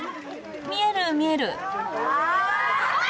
見える見える。